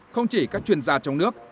không chỉ các chuyên gia trong nước